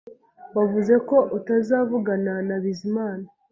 Wavuze ko utazavugana na Bizimana